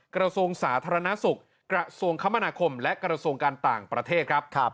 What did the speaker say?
กระทรวงสาธารณสุขกระทรวงคมนาคมและกระทรวงการต่างประเทศครับ